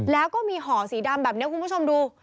แล้วก็มีห่อสีดำแบบนี้คุณผู้ชมดู